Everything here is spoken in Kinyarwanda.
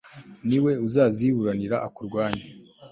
ni we uzaziburanira akurwanye